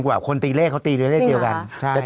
คนตีเลขเขาตีเลขเดียวกันจริงเหรอ